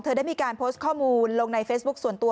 ได้มีการโพสต์ข้อมูลลงในเฟซบุ๊คส่วนตัว